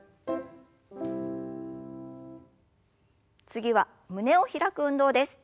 次は胸を開く運動です。